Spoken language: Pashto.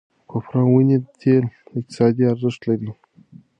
د کوپره ونې تېل اقتصادي ارزښت لري.